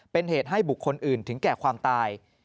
เป็นเหตุให้บุคคลอื่นถึงแก่ความตาย